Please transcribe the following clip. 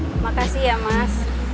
terima kasih ya mas